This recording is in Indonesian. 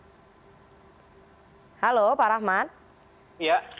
seperti arus lalu lintas dan juga hiburan malam yang diberlakukan oleh pmkot bekasi begitu ya